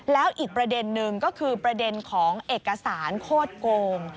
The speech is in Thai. แล้วอีกประเด็นนึงก็คือประเด็นของเอกสารโคตรโกง